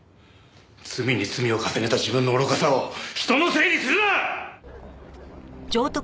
罪に罪を重ねた自分の愚かさを人のせいにするな！